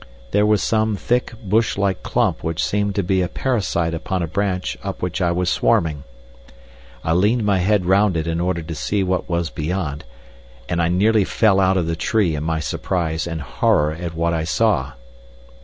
There was some thick, bush like clump which seemed to be a parasite upon a branch up which I was swarming. I leaned my head round it in order to see what was beyond, and I nearly fell out of the tree in my surprise and horror at what I saw.